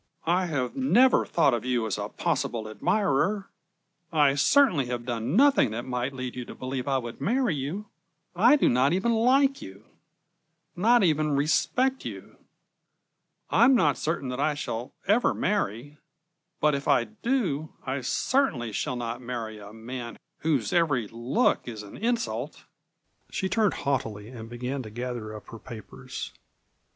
I have never thought of you as a possible admirer. I certainly have done nothing that might lead you to believe I would marry you. I do not even like you not even respect you. I am not certain that I shall ever marry, but if I do, I certainly shall not marry a man whose every look is an insult." She turned haughtily and began to gather up her papers.